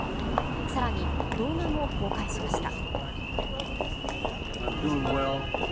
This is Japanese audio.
さらに、動画も公開しました。